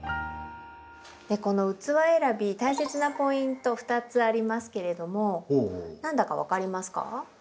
この器選び大切なポイント２つありますけれども何だか分かりますか？